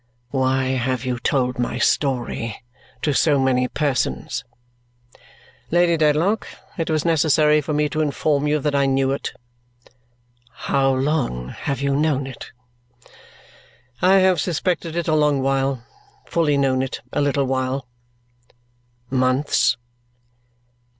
"Why have you told my story to so many persons?" "Lady Dedlock, it was necessary for me to inform you that I knew it." "How long have you known it?" "I have suspected it a long while fully known it a little while." "Months?"